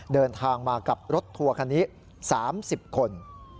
เดินทางมากับรถทัวร์คันนี้๓๐คน